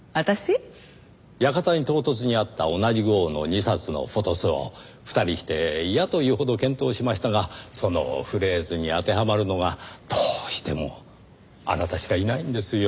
館に唐突にあった同じ号の２冊の『フォトス』を２人して嫌というほど検討しましたがそのフレーズに当てはまるのがどうしてもあなたしかいないんですよ。